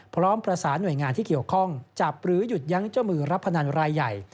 พร้อมประสานหน่วยงานที่เกี่ยวข้องจับหรือหยุดยั้งเจ้ามือรับพนันรายใหญ่